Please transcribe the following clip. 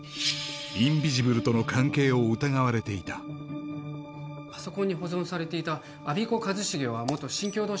インビジブルとの関係を疑われていたパソコンに保存されていた我孫子和重は元新京堂